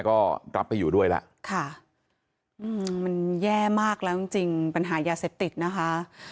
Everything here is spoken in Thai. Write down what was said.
ก็รับไปอยู่ด้วยแล้วค่ะมันแย่มากแล้วจริงจริงปัญหายาเสพติดนะคะ